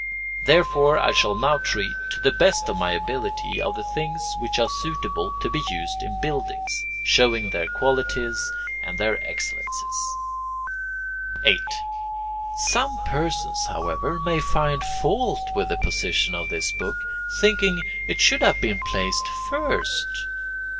Therefore I shall now treat, to the best of my ability, of the things which are suitable to be used in buildings, showing their qualities and their excellencies. 8. Some persons, however, may find fault with the position of this book, thinking that it should have been placed first.